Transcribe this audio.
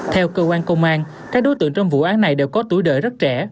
theo cơ quan công an các đối tượng trong vụ án này đều có tuổi đời rất trẻ